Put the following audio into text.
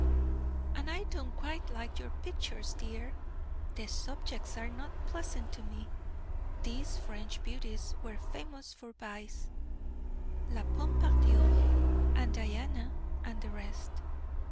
"And I don't quite like your pictures, dear. The subjects are not pleasant to me. These French beauties were famous for vice. La Pompadour, and Diana, and the rest.